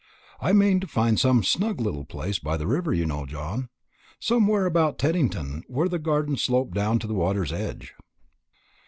I mean to find some snug little place by the river, you know, Saltram somewhere about Teddington, where the gardens slope down to the water's edge."